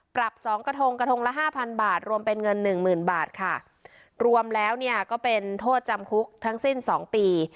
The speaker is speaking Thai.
ปรับสองกระทงกระทงละห้าพันบาทรวมเป็นเงินหนึ่งหมื่นบาทค่ะรวมแล้วเนี่ยก็เป็นโทษจำคุกทั้งสิ้นสองปี